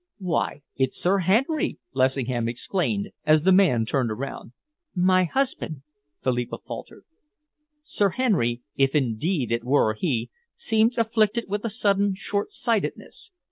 "Why, it's Sir Henry!" Lessingham exclaimed, as the man turned around. "My husband," Philippa faltered. Sir Henry, if indeed it were he, seemed afflicted with a sudden shortsightedness.